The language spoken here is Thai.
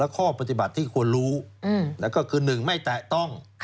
ข้อปฏิบัติที่ควรรู้ก็คือ๑ไม่แตะต้อง